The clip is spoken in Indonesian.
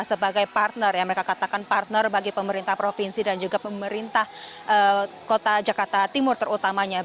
sebagai partner yang mereka katakan partner bagi pemerintah provinsi dan juga pemerintah kota jakarta timur terutamanya